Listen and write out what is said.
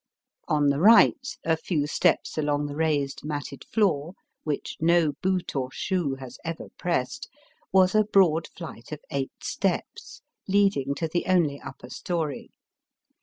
On the right, a few steps along the raised matted floor, which no boot or shoe has ever pressed, was a broad flight of eight steps, leading to the only upper story.